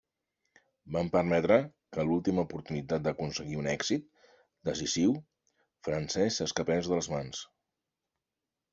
Van permetre que l'última oportunitat d'aconseguir un èxit decisiu francès s'escapés de les mans.